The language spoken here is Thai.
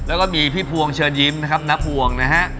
แล้วก็มีพี่พวงเชิญยิ้มนะครับนับพวงนะฮะ